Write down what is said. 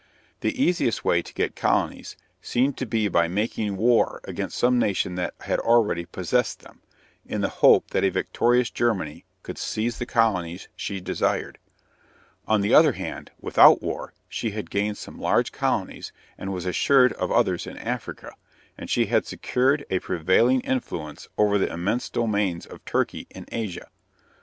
The easiest way to get colonies seemed to be by making war against some nation that already possessed them, in the hope that a victorious Germany could seize the colonies she desired. On the other hand, without war, she had gained some large colonies and was assured of others in Africa, and she had secured a prevailing influence over the immense domains of Turkey in Asia.